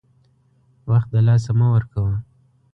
وخت دلاسه مه ورکوه !